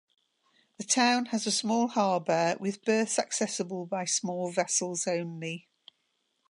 The town has a small harbour with berths accessible by small vessels only.